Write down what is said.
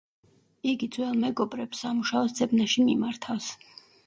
იგი ძველ მეგობრებს სამუშაოს ძებნაში მიმართავს.